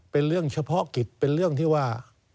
เป็นเรื่องเฉพาะกิจเป็นเรื่องที่ว่า